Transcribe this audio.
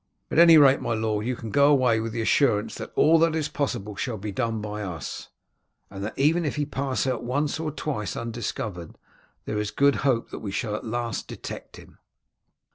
At any rate, my lord, you can go away with the assurance that all that is possible shall be done by us, and that even if he pass out once or twice undiscovered there is good hope that we shall at last detect him."